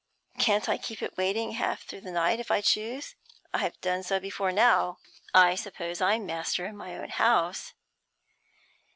'Can't I keep it waiting half through the night if I choose? I've done so before now. I suppose I'm master in my own house.'